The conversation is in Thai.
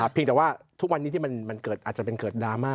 เพียงแต่ว่าทุกวันนี้ที่มันเกิดอาจจะเป็นเกิดดราม่า